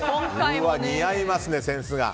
似合いますね、扇子が。